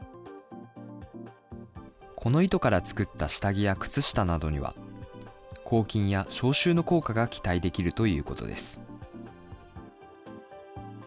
この糸から作った下着や靴下などには、抗菌や消臭の効果が期待できるということです。